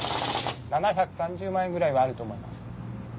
７３０万円ぐらいはあると思います。